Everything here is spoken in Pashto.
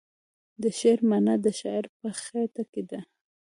د شعر معنی د شاعر په خیټه کې ده .